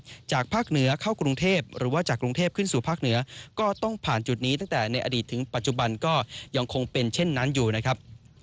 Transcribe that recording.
จากภาคเหนือเข้ากรุงเทพหรือว่าจากกรุงเทพขึ้นสู่ภาคเหนือก็ต้องผ่านจุดนี้ตั้งแต่ในอดีตถึงปัจจุบันก็ยังคงเป็นเช่นนั้นอยู่นะครับ